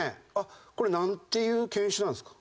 これなんていう犬種なんですか？